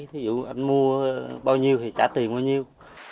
thí dụ anh mua bao nhiêu thì trả tiền bao nhiêu